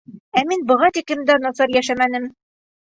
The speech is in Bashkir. Ә мин быға тиклем дә насар йәшәмәнем.